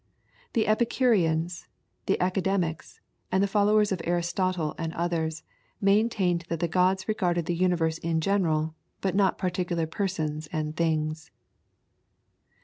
The Epicu reans, the Academics, the followers of Aristotle and others, main* tained that the gods regarded the universe in general, but not par ticular persons and things.